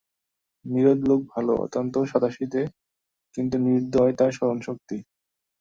নীরদ লোক ভালো, অত্যন্ত সাদাসিধে, কিন্তু নির্দয় তার স্মরণশক্তি।